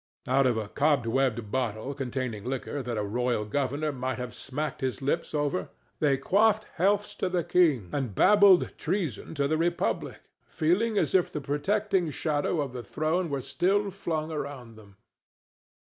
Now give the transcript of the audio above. Out of a cobwebbed bottle containing liquor that a royal governor might have smacked his lips over they quaffed healths to the king and babbled treason to the republic, feeling as if the protecting shadow of the throne were still flung around them.